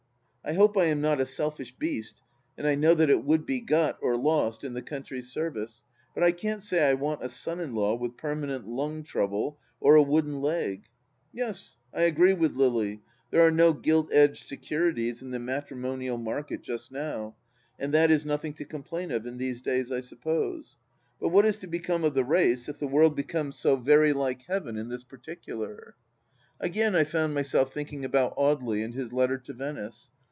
I hope I am not a selfish beast, and I know that it would be got — or lost — in the coimtry's service, but I can't say I want a son in law with permanent lung trouble, or a wooden leg 1 Yes, I agree with Lily, there are no gilt edged securities in the matrimonial market just now, and that is nothing to complain of in these days, I suppose ; but what is to become of the race if the world becomes so very like Heaven in this particular ? Again I found myself thinking about Audely and his letter to Venice.